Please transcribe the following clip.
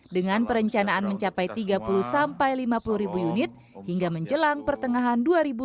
dengan perencanaan mencapai tiga puluh sampai lima puluh ribu unit hingga menjelang pertengahan dua ribu dua puluh